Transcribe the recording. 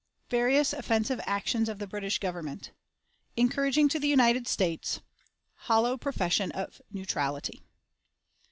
Various Offensive Actions of the British Government. Encouraging to the United States. Hollow Profession of Neutrality.